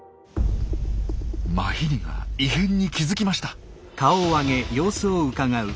マヒリが異変に気付きました。